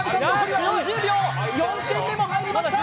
４点目も入りました。